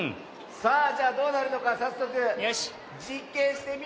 さあじゃあどうなるのかさっそくじっけんしてみましょう！